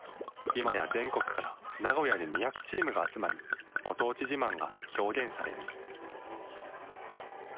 今や全国から名古屋に２００チームが集まりご当地自慢が表現される。